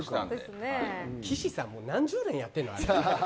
岸さんは何十年やってるの？